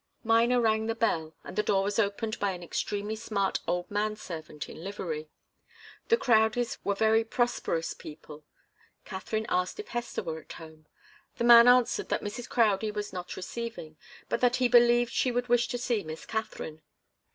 Miner rang the bell, and the door was opened by an extremely smart old man servant in livery. The Crowdies were very prosperous people. Katharine asked if Hester were at home. The man answered that Mrs. Crowdie was not receiving, but that he believed she would wish to see Miss Katharine.